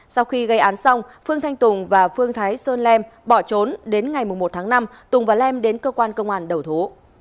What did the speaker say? sau khi gây án xong phương thanh tùng và phương thái sơn lem bỏ trốn đến ngày một tháng năm tùng và lem đến cơ quan công an đầu thú